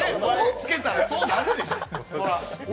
つけたらそうなるでしょ。